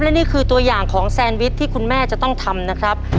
และนี่คือตัวอย่างของแซนวิชที่คุณแม่จะต้องทำนะครับ